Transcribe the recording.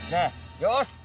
よし！